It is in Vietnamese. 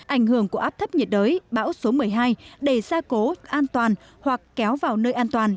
ảnh hưởng của áp thấp nhiệt đới bão số một mươi hai để ra cố an toàn hoặc kéo vào nơi an toàn